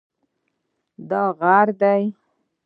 دا غر دی